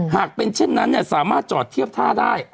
หากเป็นเช่นนั้นสามารถจอดเทียบท่าได้